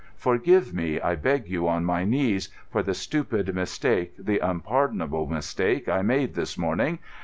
Forgive me, I beg you on my knees, for the stupid mistake, the unpardonable mistake I made this morning.